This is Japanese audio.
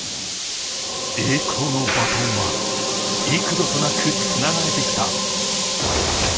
栄光のバトンは、幾度となくつながれてきた。